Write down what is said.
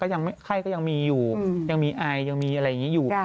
ไข้ก็ยังมีอยู่ยังมีไอยังมีอะไรอย่างนี้อยู่